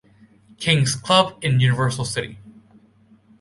King's Club in Universal City.